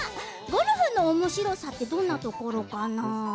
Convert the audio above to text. ゴルフのおもしろさってどんなところかな？